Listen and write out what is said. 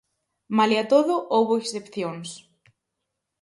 Malia todo, houbo excepcións.